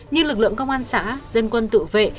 như lực lượng công an xã dân quân tự vệ